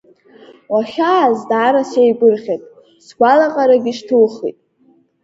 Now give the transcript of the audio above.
Уахьааз даара сеигәырӷьеит, сгәалаҟарагьы шьҭухит.